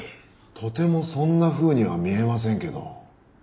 とてもそんなふうには見えませんけど。